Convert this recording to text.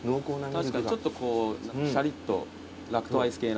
確かにちょっとこうしゃりっとラクトアイス系な。